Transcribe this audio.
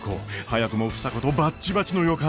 早くも房子とバッチバチの予感。